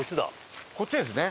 こっちですね。